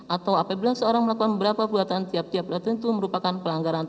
atau apabila seorang melakukan beberapa perbuatan tiap tiap tertentu merupakan pelanggaran